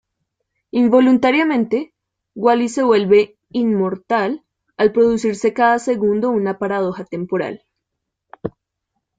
Involuntariamente, Wally se vuelve "inmortal" al producirse cada segundo una paradoja temporal.